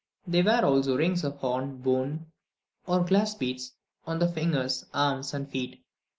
They wear also rings of horn, bone, or glass beads, on the fingers, arms, and feet.